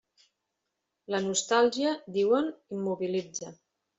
La nostàlgia, diuen, immobilitza.